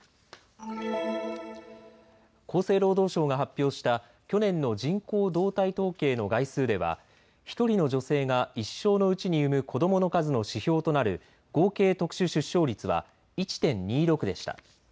厚生労働省が発表した去年の人口動態統計の概数では１人の女性が一生のうちに産む子どもの数の指標となる合計特殊出生率は１．２６でした。